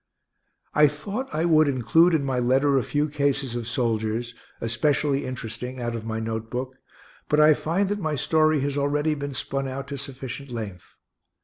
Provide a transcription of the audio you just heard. I thought I would include in my letter a few cases of soldiers, especially interesting, out of my note book, but I find that my story has already been spun out to sufficient length.